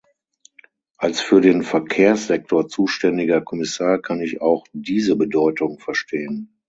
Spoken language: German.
Als für den Verkehrssektor zuständiger Kommissar kann ich auch diese Bedeutung verstehen.